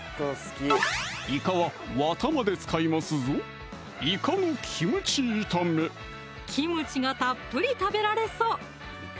いかはわたまで使いますぞキムチがたっぷり食べられそう！